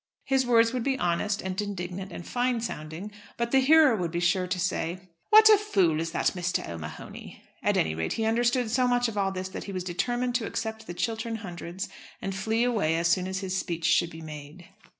His words would be honest and indignant and fine sounding, but the hearer would be sure to say, "What a fool is that Mr. O'Mahony!" At any rate, he understood so much of all this that he was determined to accept the Chiltern Hundreds and flee away as soon as his speech should be made.